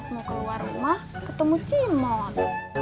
pas mau keluar rumah ketemu cimot